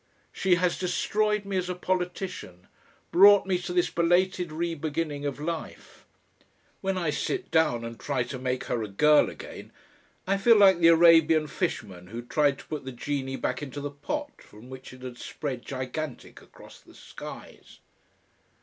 She has destroyed me as a politician, brought me to this belated rebeginning of life. When I sit down and try to make her a girl again, I feel like the Arabian fisherman who tried to put the genius back into the pot from which it had spread gigantic across the skies....